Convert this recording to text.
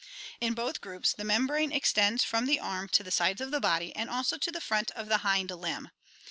In both groups the membrane extends from the arm to the sides of the body and also to the front of the hind limb.